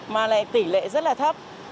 mà lại tỷ lệ rất là thấp